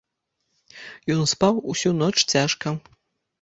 Ён спаў усю ноч цяжка.